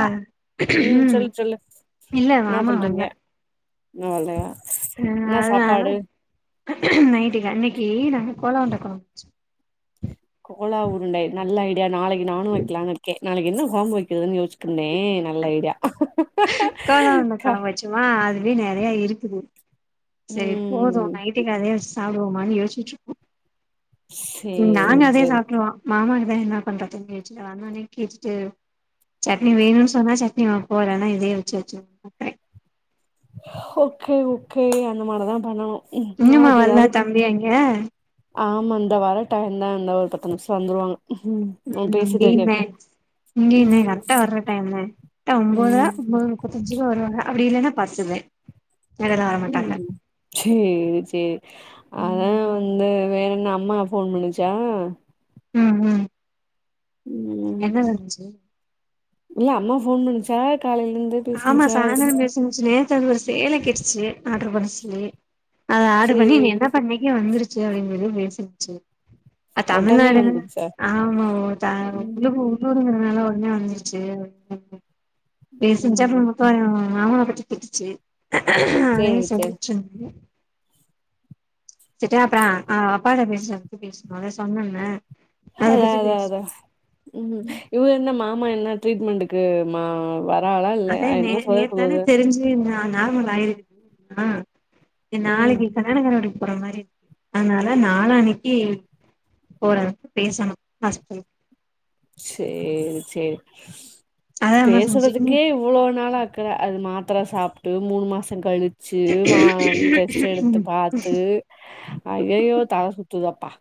ஆ ம் சொல்லு சொல்லு இல்ல மாமா வல்ல இன்னு வல்லையா ஆ அதனாலதா நைட்டுக்கு அன்னைக்கு நாங்க கோலா உருண்ட கொழம்பு வெச்சோ கோலா ஊருண்டை நல்ல ஐடியா நாளைக்கு நானு வக்கெலானு இருக்கே நாளைக்கு என்ன கொழம்பு வெக்கறதுன் யோசிச்சு ட்ருந்தே நல்ல ஐடியா கோலா உருண்ட க கொழம்பு வச்சமா அதுலயே நெறையா இருக்குது செரி போது ம் நைட் ட்டுக்கு அதே வெச்சு சாப்டுவோமானு யோசிச்சு ம் சேரி நாங்க அதே சேரி சாப்ட்ருவோ மாமாக்குதா என்ன பண்றதுன் கேட்டு நா வந்தோனே கேட்டுட்டு சட்னி வேணுன்னு சொன்னா சட்னி வப்போ இல்லேன்னா இதே வச்சு வச்சுரு ஓகே ஓகே அந்த மாதிரிதா பண்ணமனு இன்னுமா நாளைக்கு வர்ல எதாவதுக்கு தம்பி அங்க ஆமா இந்தா வர டைம் தா அந்த ஒரு பத்து நிமிஷோ வந்துருவாங்க ம் ஓ பேசிட்டு வக்கேக்க இங்க இங்க எங்க அத்த வர்ற டைமு அத்த ஒன்போதுற ம் ஒன்போது முப்பத்தஞ்சுக்கு வருவாங்க அப்புடி இல்லேன்னா பஸ்சுதா ம் சேரி சேரி அதா ம் வந் ந்து வேற என்ன அம்மா ஃபோன் பண்ணுச்சா ம் ம் ம் என்ன நடந்துச்சு இல்ல அம்மா ஃபோன் பண்ணுச்சா காலையிலருந்து ஆமா சாயந்தரோ பேசு முட்ச்சு நேத்து அது ஒரு சேல கேட்டுச்சு ஆர்டரு பண்ண சொல்லி அத ஆர்டரு பண்ணி நீ சேரி என்ன பண்ணக்க வந்துருச்சு அப்டின்னுத பேசிருச்சு அ ஒடனே தமிழ்நாடு அன்ன வந்துச்சா ஆமா ஓ ம் [unintelligible] டூருங்குறனாலா ஒட்னே வந்துருச்சு பேசுஞ்சு அப்பறோ ம் முத்துவாரே மாமாவ மாமாவ பத்தி கேட்டுச்சு சேரி அதையு சேரி சொல்ட்டுருந்தே சிட்டே அப்பறோ ஆ அப்பாட்ட பேசுறதுக்கு பேசணு அத சொன்னேன்னு அதா அதா அதா ம் இவுக என்ன மாமா என்ன ட்ரீட்மெண்டக்கு மா வா அதா நே நேத்து தானே தெரிஞ்சு நா நார்மல் ஆயிருக்குது ஆ ஏ ம் நாளக்கி கல்யாணக்கார வீட்டுக்கு போற மாரி இருக் அதுனால நாளானக்கி போற பேசணு ஹாஸ்பிட்டலுக்கு சேரி சேரி அதா அம்மா சொன்னுச்சு பேசுறதுக்கே இவ் எவ்ளோ நாளாக்குற அது மாத்துர சாப்ட்டு மூணு மாசங் கழுச் ச்சு மா டெஸ்ட் எடுத்து ம் பாத்து அய்யய்யோ தல சுத்துதப்பா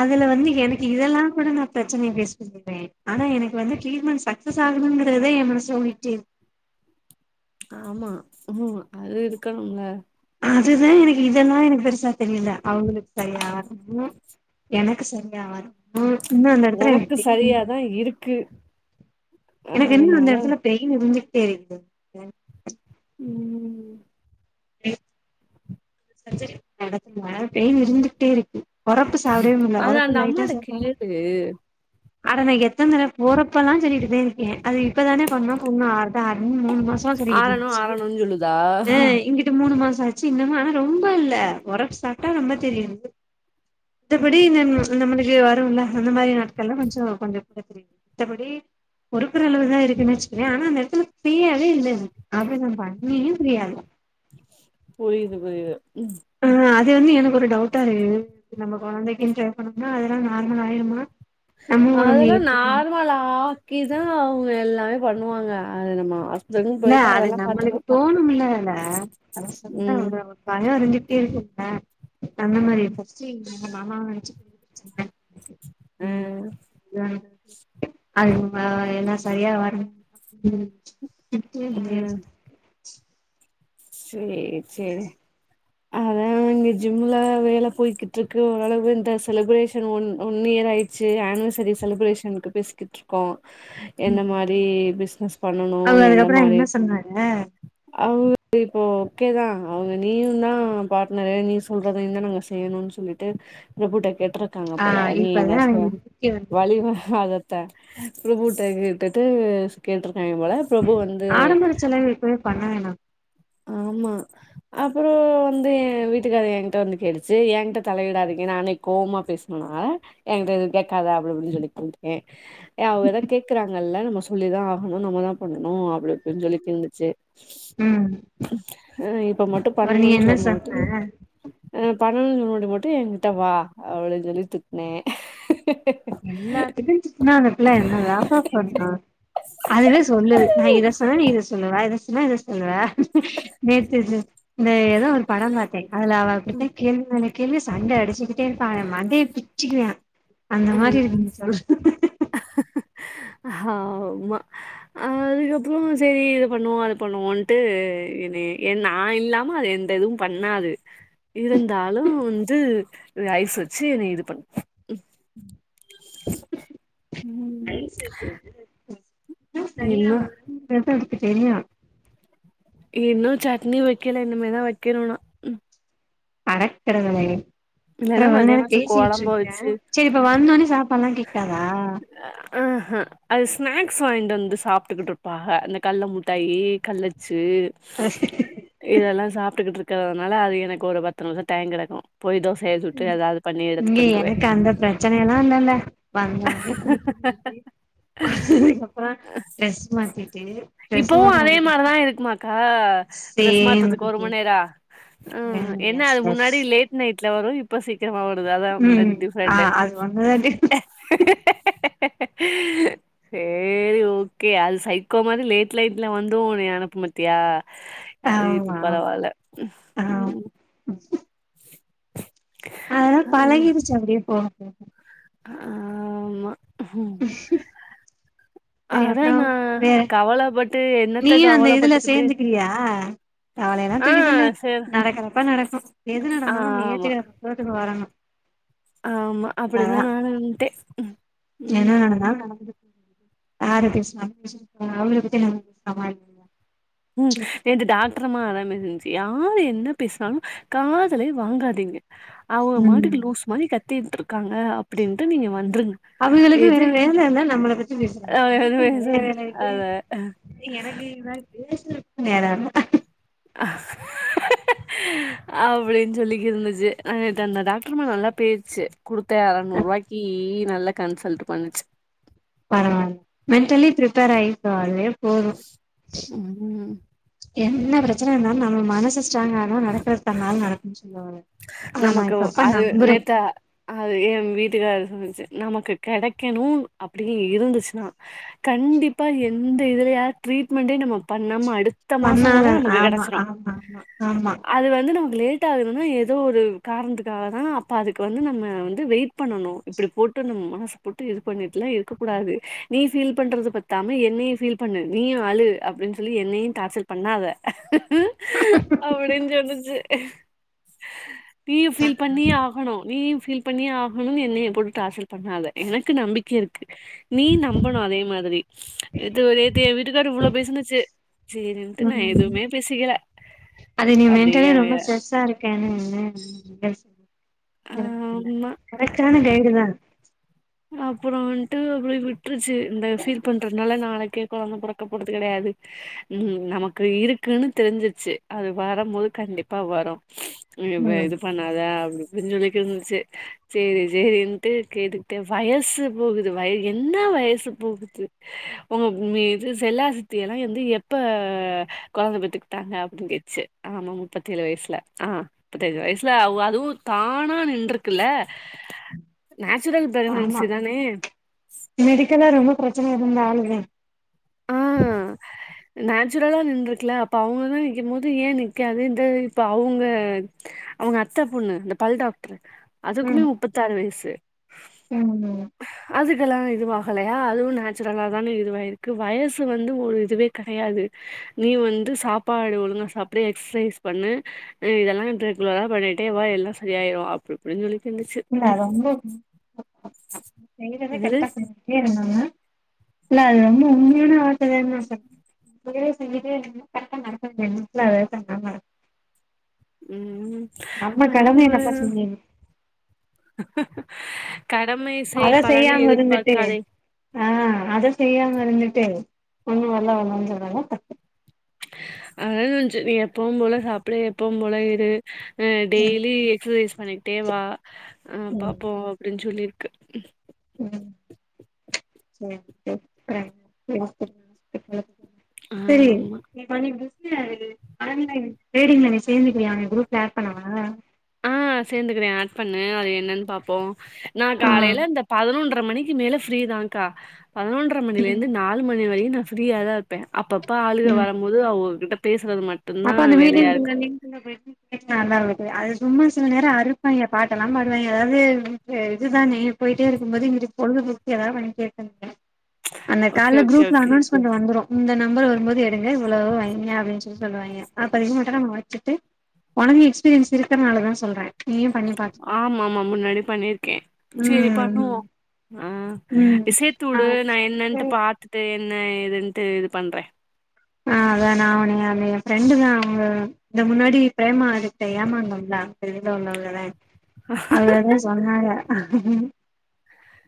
அதுல வந்து எனக்கு இதல்லா கூட நா ப்ரச்சனைய பேஷ் பண்ணிப்பே ஆனா எனக்கு வந்து ட்ரீட்மெண்ட் சக்சஸ் சஸ் ஆகணுங்குறது தா எ மனசுல ஓடிட்டே இருக் ஆமா ம் அது இருக்கணும்ல அதுதா எனக்கு இதெல்லா எனக்கு பெருசா தெரியல அவுங்களுக்கு சரி ஆகணும்னு எனக்கு சரியா ஆவாது ஆ இன்னு அந்த எடத்துல எனக்கு உனக்கு பெயின் இருக்கு சரியாதான் இருக்கு எனக்கு இன்னு அதனால அந்த எடத்துல பெயின் இருந்துகிட்டே இருக்கு ம் சர்ஜரி நடக்குங்க பெயின் இருந்துகுட்டே இருக்கு ஒரப்பு சாப்டவே முட்ல அது ஒரப்பு அந்த லைட்டா அம்மாட்ட சாப்டோனா கேளு அட நா எத்தன் தடவ போறப்பல்லா சொல்லிட்டுதா இருக்கே அது இப்பதானே பண்ணோ புண்ணு ஆரட்டு ஆரட் மூணு நாளு மாசமா ஆரணு சொல்லிகிட்ருந்துச்சு ஆரணுன்னு சொல்லுதா அ இங்கிட்டு மூணு மாசோ ஆச்சு இன்னுமு ஆனா ரொம்ப இல்ல ஒரப்பு சாப்ட்டா ரொம்ப தெரியுது மத்தபடி நம்ம நம்மளுக்கு வருல்ல அந்த மாரி நாட்கள்லா கொஞ்சோ கொஞ்ச கூட தெரியுது மத்தபடி பொறுக்குற அளவுதா இருக்குன்னு வச்சுக்குவே ஆனா அந்த எடத்துல ஃப்ரீயாவே இல்ல எனக்கு அத நா பண்ணியு ஃப்ரீயா இல்ல புரியுது புரியுது ம் ஆ அது வந்து எனக்கு ஒரு டவுட்டாருக்கு நம்ம கொழந்தைக்குன் கேர் பண்ணோம்னா அதெல்லா நார்மல் ஆயுருமா அதல்லா நார்மல் ஆக்கிதா அவுங்க எல்லாமே பண்ணுவாங்க அது நம்ம அ இல்ல அது நம்மளுக்கு தோணுமில்லல அத சொன்ன ம் ஒரு பய இருந்துட்டே இருக்குல்ல அந்த மாதிரி ஃபர்ஸ்ட் எங்க மாமாவ நெனச்சு ச்சுங்க ஆ ம் வேற அது என்ன வரவர எல்லா சரியா வரு ம் புக்கு முழியஸ் சேர் சேரி அதா இங்க ஜிம்ல வேல போய்கிட்ருக்கு ஓரளவு இந்த செலிப்ரேஷன் ஒன் ஒன் இயர் ஆயி சேர் ஆனிவர்சரி செலிப்ரேஷனுக்கு பேசிக்கிட் இருக்கோ என்ன மாரி பிசினஸ் பண்ணனு அவர் என்ன அதுக்கப்புற மாரி சொன்னாரு அவங்க இப்போ ஓகேதா அவுங்க நீயும் தா பார்ட்னரு நீ சொல்றதையு தா நாங்க செய்யணுன் சொல்லிட்டு பிரபுட்ட கேட்ருக்காங்க ஆ போல நீ இப்பதா என்ன சொல்ல அவங்களுக்கு புத்தி வந்துரு வலிமா அதத்தா பிரபுட்ட கேட்டுட்டு கேட்ருக்காங்க போல பிரபு வந்து ஆடம்பர செலவு எப்பயுமே பண்ண வேணா ஆமா அப்பற வந்து எ வீட்டுக்காரு எங்கிட்ட வந்து கேட்டுச்சு என்கிட்ட தலையிடாதிங்க நானே கோவமா பேசுணுனா எங்கிட்ட எது கேக்காத அப்டி இப்டின் சொல்லிட் வந்ட்டே ஏ அவங்கதா கேக்குறாங்கல்ல நம்ம சொல்லிதா ஆகணு நம்ம தா பண்ணணு அப்டி இப்டின்னு சொல்லிட்டு இருந்துச்சு ம் இப்ப மட்டு அப்புற நீ பண்ணணுன் என்ன சொன்னோட்டு சொன்ன என்ன பண்ணனுன் சொல்லு போது மட்டு ஏ கிட்ட வா அப்டின் சொல்லி திட்னே எல்லாத்துக்கு திட்னா அந்த புள்ள என்னதாப்பா பண்ணு அதுவே சொல்லுது நா இத சொன்னா நீ இத சொல்லுவ இத சொன்னா இத சொல்லுவ நேத்து இந்த ஏதோ ஒரு பட பாத்தே அதுல அவ இப்டிதா ம் கேள்வி மேல கேள்வி சண்ட அடிச்சிகிட் கேப்பா அவ மண்டய பிச்சுக்குவா அந்த மாரி இருக்கு நீ சொல்றது ஹ ஆமா. அ அதுக்கப்ற சரி இது பண்ணுவோ அது பண்ணுவோன்ட்டு என்னய எ நா இல்லாம அது எ எதுவு பண்ணாது இருந்தாலு வந்து ஐஸ் வச்சு என்னய இது பண்ணு ம். இன்னு பெப்படுக்கு தெரியு இன்னு சட்னி வைக்கல இனிமேதா வைக்கணு நா அடக்கடவுளே இல்லன்னா மத்தியானம் சு கொழம்ப வச்சு சரி இப்ப வந்தோனே சாப்பாட்லா கேக்காத ஆஹ அது ஸ்நாக்ஸ் வாங்கிட்டு வந்து சாப்ட்டுக்கிட்டு இருப்பாக அந்த கள்ளமிட்டாயி கள்ளச்சு இதெல்லா சாப்ட்டுக்கிட்டு இருக்குறதுனால அது எனக்கு ஒரு பத்து நிமிஷ டைங் கெடைக்கு போய் தோச ய சுட்டு ஏதாவது பண்ணி இங்க எடுத்துட்டு வந்துருவே. எனக்கு அந்த பிரச்சனையெல்லா இல்லல்ல வந்தோனே குளிக்க போயிட்டு குடுத்ததுக்கு அப்புறோ ட்ரெஸ் மாத்திட்டு ட்ரெஸ் இப்பவு அதே மாத்துனதுக்கு மாதிரிதா இருக்குமாக்க டிரஸ் சேம் மாத்துறதுக்கு ஒரு மணி ரொட்டீன் நேர ம் என்ன எஸ் அது எஸ் முன்னாடி லேட் நைட்ல வரு இப்ப சி க்கிரமா வருது அதா அ ம் ஆ டிஃப்ரண்ட்டே அது ஒன்னுதா டி சே ரி ஓகே அது சைக்கோ மாதிரி லேட் லைட்ல வந்து உன்னைய அனுப்பு பத்தியா அது இப்ப ஆமா பரவால்ல ம் ம் ம் க்கு அதெல்லா ஆ பழகிறிச்சு அப்டியே போக போக ஆமா ம் சரி அப்பற வேற கவலப்பட்டு என்னத்த நீயு அந்த இதுல கவலப்பட்டுக்கிட்டு சேந்துக்கிறியா காலையல்லா ஆ துக்கிதல்லு சேர் நடக்கறப்ப நடக்கும் நடந்தாலு ந ஆமா நேற்று ரோடுக்கு வரன்னு ஆமா அப்டிதா நானு வந்ட்ட என்ன நடந்தாலு நடக்குது யாரு எப்டி பேசுனாலு பேசிட்டு போகட்டு அவுங்கள பத்தி என்ன நம்மளுக்கு [unintelligible] ம் நேத்து டாக்டரம்மா அதா பேசுன்னுச்சு யார் என்ன பேசுனாலு காதுலே வாங்காதீங்க. அவங்க ம் மாட்டுக்கு லூஸ் மாதிரி கத்தட்டு இருக்காங்க அப்டின்னுட்டு நீங்க வந்துருங்க. அவங்களுக்கு வேற எதுமே வேல இல்ல நம்மளை பத்தி பேசுறாங்க நம்மளுக்கு நெறைய வேல இருக்கு அத எனக்கு இதுமாரி பேசுறதுக்கு நேர இல்ல அப்டின்னு சொல்லிகி இருந்துச்சு அ நேத்து அந்த டாக்டருமா நல்லா பேசுச்சு. குடுத்த அறநூறுவாய்க்கி நல்லா கன்சல்ட் பண்ணுச்சு பரவாயில்ல மென்டலி பிரிப்பர் ஆயிக்கோ அதுவே போதும் ம் என்ன பிரச்சனை இருந்தாலு நம்ம மனசு ஸ்ட்ராங்கானா நடக்குறது தன்னால நடக்குன்னு சொல்லுவாங்க. அத நா இப்ப இப்ப நம்புற அ அது எய வீட்டுக்கார் சொல்ச்சு நமக்கு கிடைக்கணு அப்டின்னு இருந்துச்சுன்னா கண்டிப்பா எந்த இதுலயாது ட்ரீட்மெண்டே நம்ம பண்ணாம அடுத் அடுத்த மாச கூட பண்ணாத நமக்கு ஆமா கிடைச்சிரு ஆமா ஆமா ஆமா அது வந்து நமக்கு லேட் ஆகுதுனு எது ஏதோ ஒரு காரணத்துக்காக தா அப்போ அதுக்கு வந்து நம்ம வந்து வெயிட் பண்ணணு இப்டி போட்டு நம்ம மனசு போட்டு இது பண்ணிட்டுலா இருக்கக்கூடாது நீ பீல் பண்றது பத்தாம என்னைய பீல் பண்ணு நீ அழு அப்டின்னு சொல்லி என்னையு டார்ச்சல் பண்ணாத அப்டின்னு சொல்லுச்சு நீயு ஃபீல் பண்ணி ஆகணு நீயு ஃபீல் பண்ணியே ஆகணும்னு என்னய போட்டு டார்ச்சர் பண்ணாத எனக்கு நம்பிக்க இருக்கு நீ நம்பனு அதே மாதிரி இது நேத்து வீட்டுக்காரு இவ்வளோ பேசுன்னுச் சு சரிண்டு நா ம் எதுவுமே பேசிக்கல அப்டியே அமதியா [unintelligible] ஆமா கரெக்ட் ஆனா டைரி தா அப்பற வந்துட்டு அப்பய் விட்டுருச்சு இந்த ஃபீல் பண்றதுனால நாளைக்கே குழந்த பற புறக்க போறது கிடையாது ம் நமக்கு இருக்குன்னு தெரிஞ்சிச்சு அது வரு போது கண்டிப்பா வரு இ ம் இது பண்ணாதா அப்டி இப்டின்னு சொல்லி இருந்துச்சு சரி சரின்ட்டு கேட்டு வயசு போகுது வய என்ன வயசு போகுது உங்க மீது செல்லா சத்தி எல்லா வந்து எப்ப குழந்தை பெத்துக்கிட்டாங்க அப்டின்னு கேட்ச்சு ஆமா முப்பத்தி ஏழு வயசுல ஆ முப்பதி ஏழு வயசுல ஆகு அதுவு தானா நின்றருக்குல்ல நேச்சுரல் ப்ரேகானன்சி தானே மெடிக்கல்லா ரொம்ப பிரச்சன இருந்த ஆளுத ஆ நேச்சுரலா நின்று இருக்குல்ல அப்ப அவங்கதா நிக்கும் போது ஏய நிக்காது இது இப்ப அவங்க அவங்க அத்த பொண்ணு இந்த பல் டாக்டரு அதுக்குமே முப்பத்த ஆறு வயசு ம் ம் அதுக்கெல்லா இதுவாகலையா அதுவு நேச்சுரலாக தான இதுவாகிருக்கு வயசு வந்து வந்து ஒரு இதுவே கெடையாது நீ வந்து சாப்பாடு ஒழுங்கா சாப்புடு எக்ஸஸைஸ் பண்ணு இ இதெல்லா ரெகுலரா பண்ணிட்டே வா எல்லா சரி ஆயிரு அப்டி இப்டின்னு சொல்லி இருந்துச்சு ம்போ எகிட்ட அதா என்னது கரெக்டா சொல்லிகிட்டே இருந்தாங்க இல்ல அது வந்து உண்மையான வார்த்த தானே ச இப்ப கெடா சொல்லிட்டே இருந்து கரெக்டா நடக்க வேண்டியதுலா [unintelligible] ம் ம் நம்ம கடமைய அதுவு கரெக்டா செஞ்சிர்னு கடமையை செய் அத பலனை செய்யாம இருந்துட்டு எதிர்பார்க்காதே ஆ அத செய்யாம இருந்துட்டு ஒண்ணு வரல வர்ல சொல்றாங்க ட அதா சொல்லச்சு நீ எப்பவும் போல சாப்புடு எப்பவும் போல இரு அ ம் டெய்லி எக்சசைஸ் பண்ணிக்கிட்டே வா ஆ ம் பாப்போ அப்டின்னு சொல்லியிருக்கு ம் சரி [unintelligible] [inaudible] சரி ஆமா நீ பண்ணி எப்டி இதுலகது ஆன்லைன் டிரேடிங்ல நீ சேந்துக்கிறியா உன்ன குரூப்ல ஆட் பண்ணவா ஆ சேர்ந்துக்கிறே ஆட் பண்ணு அது என்னன்னு பாபோ நா ஆ காலையில அந்த பதினொன்ர மணிக் மேல ஃபிரீ தா கா பதினொன்ர மணில ம் இருந்து நாலு மணி வரையு நா ஃபிரீயாதா பே அப்பப்ப ஆளுங்க வரும் போது அவங்ககிட்ட பேசுறது மட் அக்கா அந்த மிட்டிங்குள்ள லிங்க் உள்ள போய்ட்டு கேக்க நல்லா இருக்கு அது சும்மா சில நேர அறுப்பாங்க பாட்டெல்லா பாடுவாங்க அதாவது அ இதுதானே போயிட்டே இருக்கும்போது இங்க பொழுதுபோக்கு ஏதா வண்டி எடுத்தன்ட்டே அந்த ஓகே கால்ல ஓகே குரூப்ல ஓகே அண்ணோன்ஸ்மென்ட் வந்துடு வந்துரு இந்த நம்பர் வரும்போது எடுங்க இவ்ளோவு வைங்க அப்டின்னு சொல் சொல்லுவாங்க அப்ற இது மட்டு நா வச்சட்டு ஒனக்கு எக்ஸ்பீரியன்ஸ் இருக்குறனாலதா சொல்றே நீயு பண்ணி பாத்துக்க ஆமா ஆமா முன்னாடி பண்ணிருக்கே செரி ம் பண்ணுவோ ஆ ம் நீ சேத்து ஆ வுடு நா என்னன்ட்டு பாத்தட்டு என்ன ஏதுன்ட்டு இது பண்றே ஆ அதா நா அவன அந்த எ ஃப்ரெண்டு தா அவங்க இந்த முன்னாடி பிரேமா கிட்ட ஏமாந்தோம்ள அதுல வந்தவங்கதா அவளதா சொன்னாங்க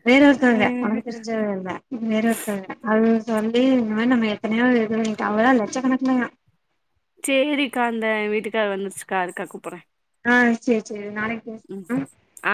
வேற அ ஒருத்தவங்க உனக்கு தெரிஞ்சங்க இல்ல வேற ஒருத்தவங்க அது சொல்லி இந்த மாரி நம்ம எத்தனையோ இது நி அவ்ளதா லட்சக்கணக்குல சேரிக்கா அந்த வீட்டுக்கார் வந்துருச்சுக்கா இருக்கா கூப்புறே ஆ சேரி செரி நாளைக் ம் ஆ